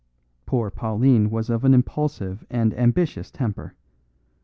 Poor Pauline was of an impulsive and ambitious temper.